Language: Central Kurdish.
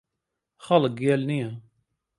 خەڵک گێل نییە.